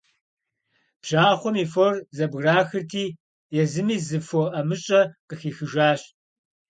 Бжьахъуэм и фор зэбграхырти, езыми зы фо ӀэмыщӀэ къыхихыжащ.